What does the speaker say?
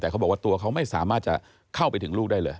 แต่เขาบอกว่าตัวเขาไม่สามารถจะเข้าไปถึงลูกได้เลย